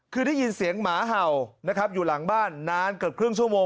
คือได้ยินเสียงหมาเห่านะครับอยู่หลังบ้านนานเกือบครึ่งชั่วโมง